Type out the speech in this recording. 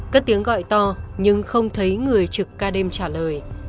các tiếng gọi to nhưng không thấy người trực ca đêm trả lời